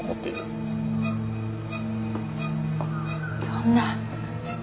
そんな。